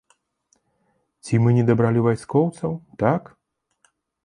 Ці мы не дабралі вайскоўцаў, так?